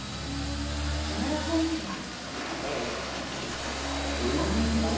木村選手は。